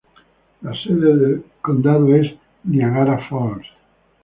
La sede del condado es Niagara Falls.